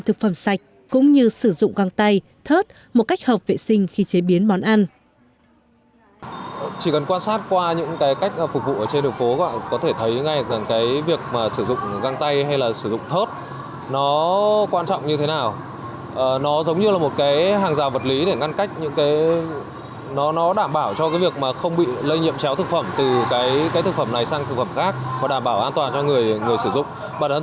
thực phẩm sạch cũng như sử dụng găng tay thớt một cách hợp vệ sinh khi chế biến món ăn